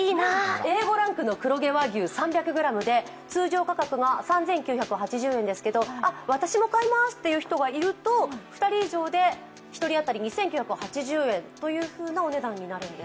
Ａ５ランクの黒毛和牛通常価格が３９８０円ですけど、私も買いますという人がいると２人以上で１人当たり２９８０円というお値段になるんです。